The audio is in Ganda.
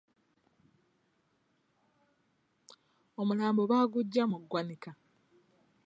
Omulambo baaguggya mu ggwanika.